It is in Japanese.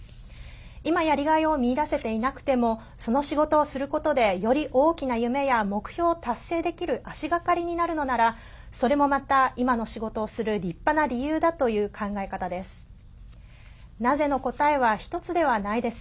今やりがいを見いだせていなくてもその仕事をすることでより大きな夢や目標を達成できる足がかりになるのならそれもまた、今の仕事をする立派な理由だという考え方です。